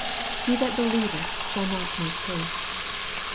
" He that beiieveth shall not make haste."